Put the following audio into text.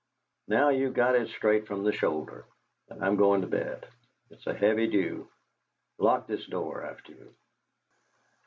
Now you've got it straight from the shoulder, and I'm going up to bed. It's a heavy dew. Lock this door after you."